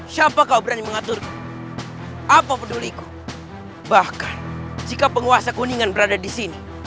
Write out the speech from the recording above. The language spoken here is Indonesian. siapa kau berani mengaturku apa peduliku bahkan jika penguasa kuningan berada disini